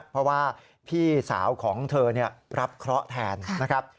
เพราะว่าพี่สาวของเธอรับเคราะห์แทนนะครับ